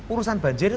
urusan banjir itu